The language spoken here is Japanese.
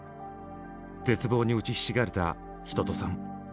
絶望に打ちひしがれた一青さん。